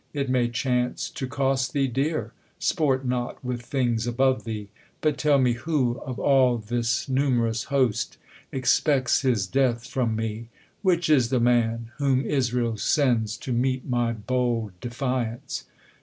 it may chance To cost thee dear. Sport not with things above thee : But tell me who, of all this num'rous host. Expects THE COLUMBIAN ORATOR. 21V ExpecL, 5 his death from me? Which is the man, Whom Israel sends to meet my bold defiance